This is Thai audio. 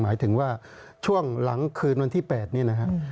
หมายถึงว่าช่วงหลังคืนวันที่๘นี่นะครับ